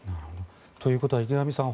ということは、池上さん